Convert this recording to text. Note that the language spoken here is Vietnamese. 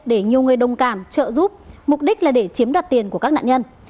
để nhiều người đồng cảm trợ giúp mục đích là để chiếm đoạt tiền của các nạn nhân